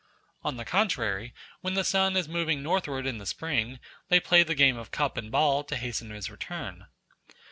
On the contrary, when the sun is moving northward in the spring, they play the game of cup and ball to hasten his return.